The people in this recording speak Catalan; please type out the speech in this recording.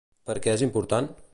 Per què és important?